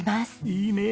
いいねえ！